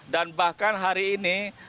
dan bahkan hari ini